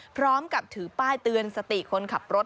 พร้อมกับถือป้ายเตือนสติคนขับรถ